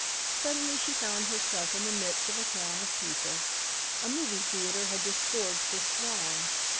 Suddenly she found herself in the midst of a throng of people. A movie theater had disgorged this throng.